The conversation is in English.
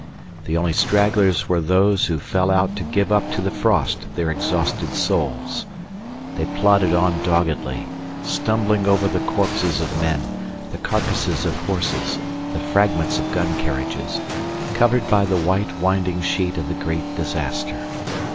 The only stragglers were those who fell out to give up to the frost their exhausted souls. They plodded on doggedly, stumbling over the corpses of men, the carcasses of horses, the fragments of gun carriages, covered by the white winding sheet of the great disaster.